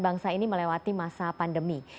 bangsa ini melewati masa pandemi